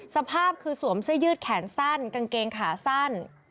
สภาพคือสวมเสื้อยืดแขนสั้นกางเกงขาสั้น